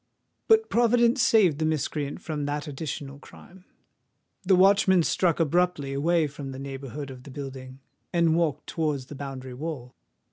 But Providence saved the miscreant from that additional crime:—the watchman struck abruptly away from the neighbourhood of the building, and walked towards the boundary wall.